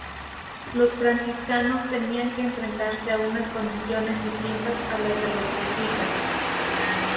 Los franciscanos tenían que enfrentarse a unas condiciones distintas a las de los jesuítas.